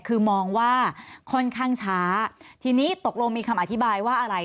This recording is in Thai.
คือมองว่าค่อนข้างช้าทีนี้ตกลงมีคำอธิบายว่าอะไร